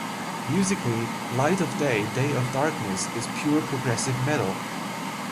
Musically, "Light of Day, Day of Darkness" is pure progressive metal.